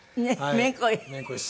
めんこい？